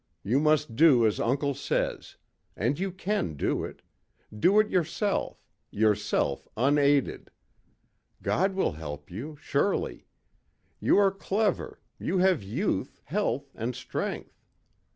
You must do as uncle says. And you can do it. Do it yourself yourself unaided. God will help you surely. You are clever; you have youth, health and strength.